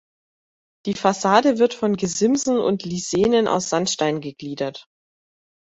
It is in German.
Die Fassade wird von Gesimsen und Lisenen aus Sandstein gegliedert.